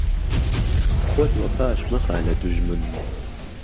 خۆت وەپاش مەخە لە دووژمن